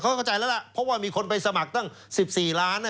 เขาเข้าใจแล้วล่ะเพราะว่ามีคนไปสมัครตั้ง๑๔ล้าน